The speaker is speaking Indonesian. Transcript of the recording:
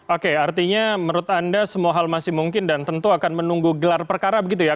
oke artinya menurut anda semua hal masih mungkin dan tentu akan menunggu gelar perkara begitu ya